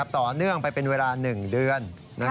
ต่อเนื่องไปเป็นเวลา๑เดือน